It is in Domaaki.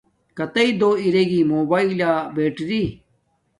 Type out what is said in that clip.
کاتݵ دو ارے گی موباݵلہ بیٹری